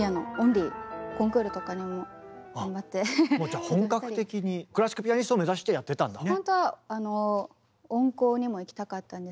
じゃあ本格的にクラシックピアニストを目指してやってたんだね。